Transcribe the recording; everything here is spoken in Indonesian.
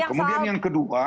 nah kemudian yang kedua